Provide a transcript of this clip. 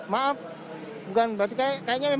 maaf bukan berarti kayaknya memang kalau kita lihat